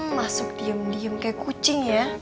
masuk diem diem kayak kucing ya